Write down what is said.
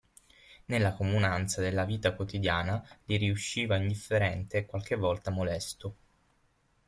Nella comunanza della vita quotidiana, gli riusciva indifferente e qualche volta molesto.